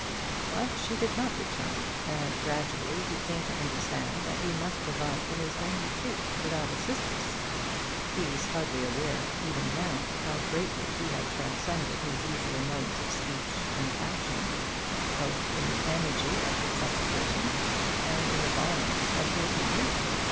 But she did not return, and gradually he came to understand that he must provide for his own retreat without assistance. He was hardly aware, even now, how greatly he had transcended his usual modes of speech and action, both in the energy of his supplication and in the violence of his rebuke.